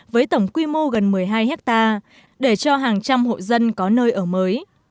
với tổng quy mô gần một mươi hai hectare để cho hàng trăm hộ dân có nơi ở mới